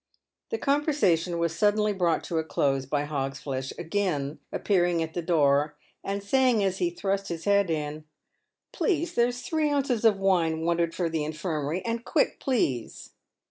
The conversation was suddenly brought to a close by Hogsflesh again appearing at the door, and saying, as he thrust his head in :" Please, there's three ounces of wine wanted for the infirmary — and quick, please."